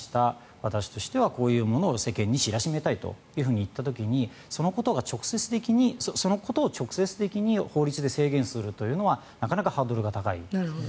私としては、こういうものを世間に知らしめたいといった時にそのことを直接的に法律で制限するというのはなかなかハードルが高いですね。